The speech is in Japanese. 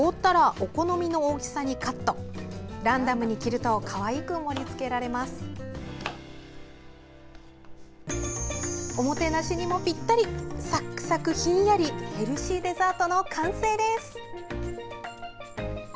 おもてなしにもぴったりサクサクひんやりヘルシーデザートの完成です。